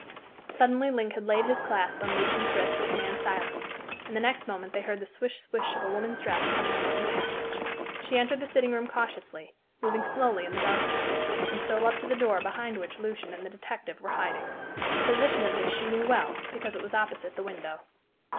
Suddenly Link had laid his clasp on Lucian's wrist to command silence, and the next moment they heard the swish swish of a woman's dress coming along the passage. She entered the sitting room cautiously, moving slowly in the darkness, and stole up to the door behind which Lucian and the detective were hiding. The position of this she knew well, because it was opposite the window.